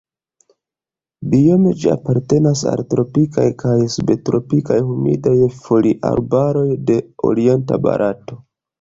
Biome ĝi apartenas al tropikaj kaj subtropikaj humidaj foliarbaroj de orienta Barato.